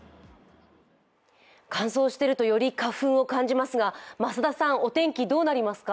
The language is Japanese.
乾燥しているとより花粉を感じますが、増田さん、お天気どうなりますか？